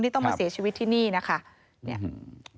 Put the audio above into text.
ที่ต้องมาเสียชีวิตที่นี่นะคะ